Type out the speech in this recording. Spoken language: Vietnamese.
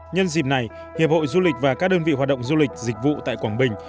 nhân dịp này hiệp hội du lịch và các đơn vị hoạt động du lịch dịch vụ tại quảng bình